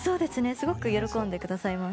すごく喜んで下さいます。